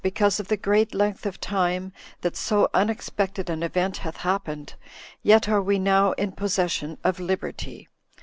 because of the great length of time, that so unexpected an event hath happened, yet are we now in possession of liberty.